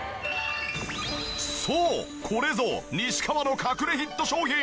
そうこれぞ西川の隠れヒット商品。